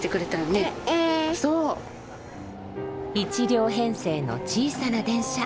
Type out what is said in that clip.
１両編成の小さな電車。